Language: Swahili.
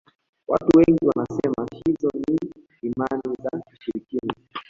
watu wengi wanasema hizo ni imani za kishirikina